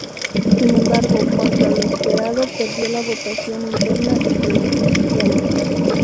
Sin embargo, contra lo esperado, perdió la votación interna entre los oficiales.